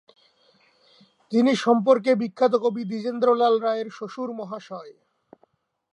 তিনি সম্পর্কে বিখ্যাত কবি দ্বিজেন্দ্রলাল রায়ের শশুরমহাশয়।